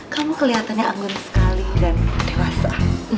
kamu kelihatannya anggun sekali dan dewasa